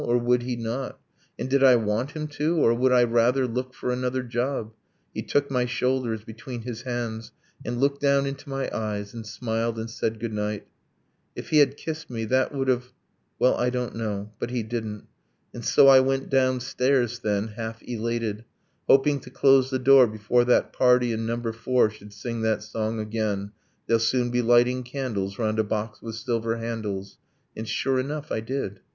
Or would he not? And did I want him to or would I rather Look for another job? He took my shoulders Between his hands, and looked down into my eyes, And smiled, and said good night. If he had kissed me, That would have well, I don't know; but he didn't .. And so I went downstairs, then, half elated, Hoping to close the door before that party In number four should sing that song again 'They'll soon be lighting candles round a box with silver handles' And sure enough, I did.